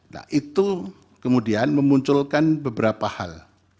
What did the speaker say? nah itu kemudian memunculkan beberapa hal